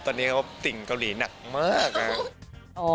ตอนนี้เขาติ่งเกาหลีหนักเมือกอะ